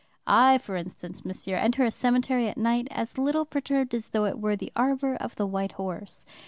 I, for instance, monsieur, enter a cemetery at night as little perturbed as though it were the arbor of the White Horse.